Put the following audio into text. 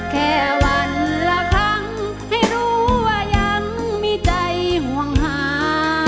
แค่วันละครั้งให้รู้ว่ายังมีใจห่วงหา